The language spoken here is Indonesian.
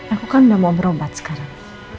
aku kan udah mau merombat sekarang